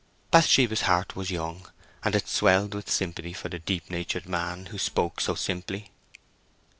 Bathsheba's heart was young, and it swelled with sympathy for the deep natured man who spoke so simply.